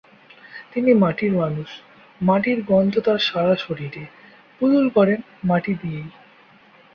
তিনি মাটির মানুষ, মাটির গন্ধ তার সারা শরীরে, পুতুল গড়েন মাটি দিয়েই।